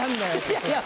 いやいや。